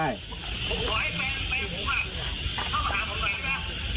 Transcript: แม่อยู่ไหนอะ